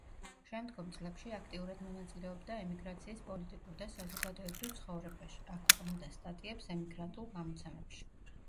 შემდგომ წლებში აქტიურად მონაწილეობდა ემიგრაციის პოლიტიკურ და საზოგადოებრივ ცხოვრებაში; აქვეყნებდა სტატიებს ემიგრანტულ გამოცემებში.